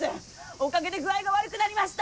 おかげで具合が悪くなりました！